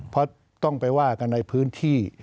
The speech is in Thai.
เพราะต้องไปว่ากันในพื้นที่